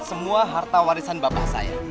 semua harta warisan bapak saya